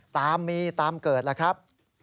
ตามมีตามเกิดล่ะครับ